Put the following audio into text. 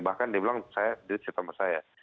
bahkan dia bilang dia cerita sama saya